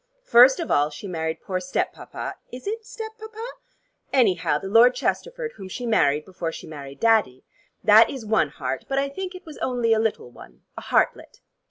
First of all she married poor step papa is it step papa? anyhow the Lord Chesterford whom she married before she married Daddy. That is one heart, but I think that was only a little one, a heartlet."